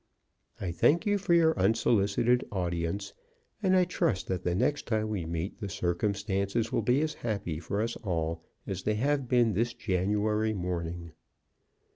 I thank you for your unsolicited audience, and trust that the next time we meet the circumstances will be as happy for us all as they have been this January morning."